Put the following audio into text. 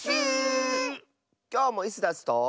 きょうもイスダスと。